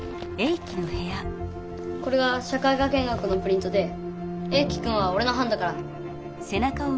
これが社会科見学のプリントでエイキくんはおれのはんだから。